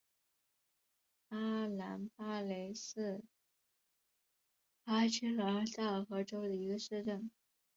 阿兰巴雷是巴西南大河州的一个市镇。